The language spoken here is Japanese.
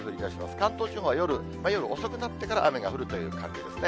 関東地方は夜、夜遅くなってから雨が降るという感じですね。